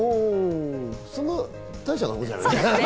そんな大したことじゃないね。